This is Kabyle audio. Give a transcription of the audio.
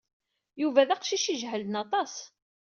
Yuba d aqcic ay ijehlen aṭas.